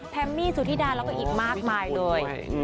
มี่สุธิดาแล้วก็อีกมากมายเลย